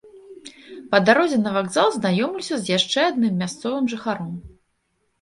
Па дарозе на вакзал знаёмлюся з яшчэ адным мясцовым жыхаром.